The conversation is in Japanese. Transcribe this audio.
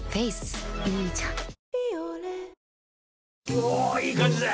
おおいい感じだ！